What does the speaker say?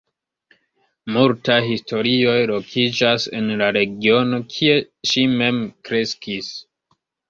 Multaj historioj lokiĝas en la regiono, kie ŝi mem kreskis.